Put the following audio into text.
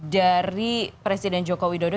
dari presiden joko widodo